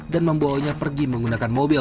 dan membawanya pergi menggunakan mobil